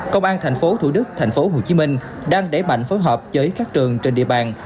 công an thành phố thủ đức thành phố hồ chí minh đang đẩy mạnh phối hợp với các trường trên địa bàn